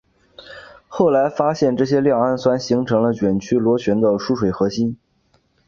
后来发现这些亮氨酸形成了卷曲螺旋的疏水核心。